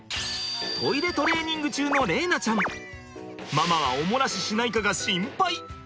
ママはお漏らししないかが心配。